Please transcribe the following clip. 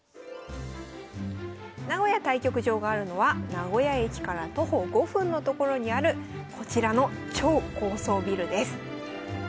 名古屋対局場があるのは名古屋駅から徒歩５分の所にあるこちらの超高層ビルです。